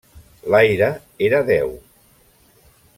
L'aire era déu.